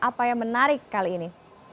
apa yang menarik kali ini